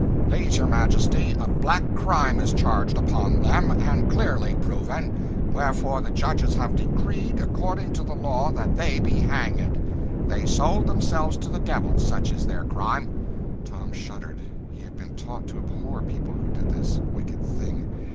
"Please your Majesty, a black crime is charged upon them, and clearly proven; wherefore the judges have decreed, according to the law, that they be hanged. They sold themselves to the devil such is their crime." Tom shuddered. He had been taught to abhor people who did this wicked thing.